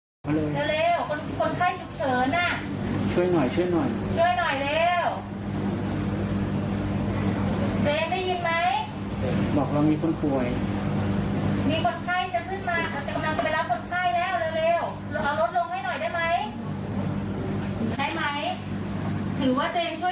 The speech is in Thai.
จะขยับรถลงกล้า